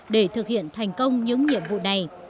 để thực hiện thành công những nhiệm vụ này